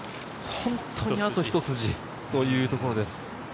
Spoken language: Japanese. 本当に、あとひと筋というところです。